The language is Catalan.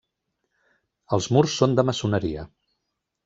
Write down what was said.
Els murs són de maçoneria.